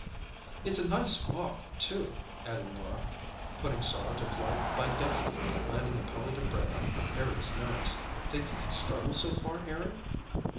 "It's a nice walk, too," added Norah, putting sorrow to flight by deftly landing a pellet of bread on Harry's nose. "Think you can struggle so far, Harry?"